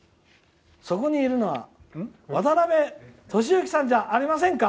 そこにいるのはわたなべとしゆきさんじゃありませんか。